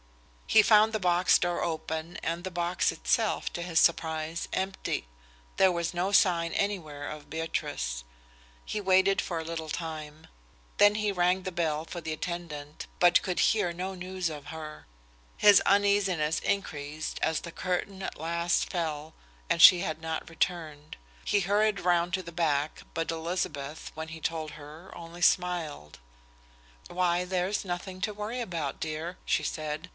He found the box door open and the box itself, to his surprise, empty. There was no sign anywhere of Beatrice. He waited for a little time. Then he rang the bell for the attendant but could hear no news of her. His uneasiness increased as the curtain at last fell and she had not returned. He hurried round to the back, but Elizabeth, when he told her, only smiled. "Why, there's nothing to worry about, dear," she said.